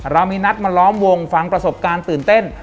เรามีนัดมาล้อมวงฟังประสบการณ์ตื่นเต้น